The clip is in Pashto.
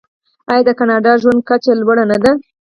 آیا د کاناډا ژوند کچه لوړه نه ده؟